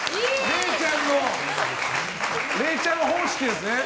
れいちゃん方式ですね。